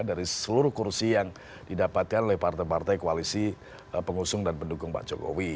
dari seluruh kursi yang didapatkan oleh partai partai koalisi pengusung dan pendukung pak jokowi